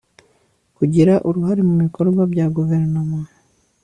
kugira uruhare mu bikorwa bya guverinoma